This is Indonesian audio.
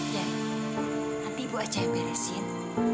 nanti bu aja yang beresin